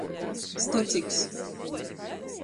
Stociks.